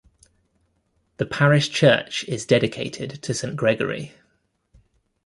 The parish church is dedicated to Saint Gregory.